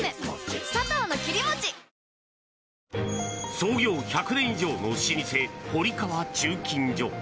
創業１００年以上の老舗堀川鋳金所。